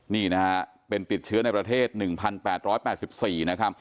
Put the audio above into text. นี่เป็นติดเชื้อในประเทศ๑๘๘๔เงียด